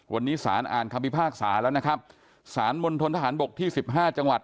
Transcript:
วันนี้สารอ่านคำพิพากษาแล้วนะครับสารมณฑนทหารบกที่สิบห้าจังหวัด